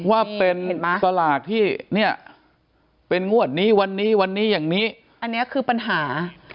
ว่าเป็นสลากที่เนี่ยเป็นงวดนี้วันนี้วันนี้อย่างนี้อันนี้คือปัญหา